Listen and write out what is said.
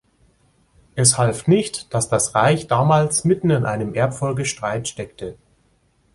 Es half nicht, dass das Reich damals mitten in einem Erbfolgestreit steckte.